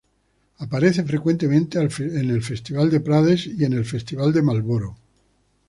Aparece frecuentemente al Festival de Prades y en el Festival de Marlboro.